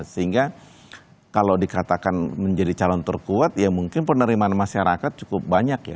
sehingga kalau dikatakan menjadi calon terkuat ya mungkin penerimaan masyarakat cukup banyak ya